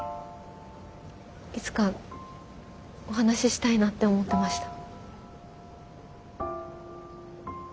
いつかお話ししたいなって思ってました。